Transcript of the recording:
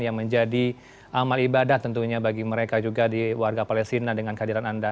yang menjadi amal ibadah tentunya bagi mereka juga di warga palestina dengan kehadiran anda